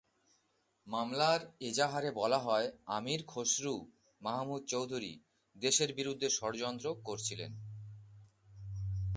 মামলার এজাহারে বলা হয়, আমীর খসরু মাহমুদ চৌধুরী দেশের বিরুদ্ধে ষড়যন্ত্র করছিলেন।